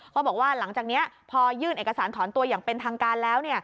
เขาบอกว่าหลังจากนี้พอยื่นเอกสารถอนตัวอย่างเป็นทางการแล้ว